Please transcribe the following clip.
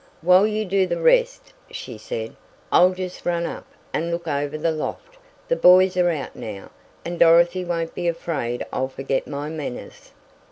"While you do the rest," she said, "I'll just run up, and look over the loft, the boys are out now, and Dorothy won't be afraid I'll forget my manners."